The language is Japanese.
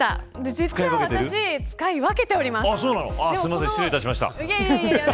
実は使い分けています。